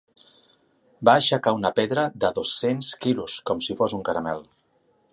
Va aixecar una pedra de dos-cents quilos com si fos un caramel.